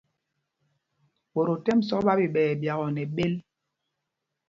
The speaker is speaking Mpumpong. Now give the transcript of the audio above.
Ɓot o tɛ́m ɛsɔk ɓa ɓiɓɛɛ ɛɓyakɔɔ nɛ bēl.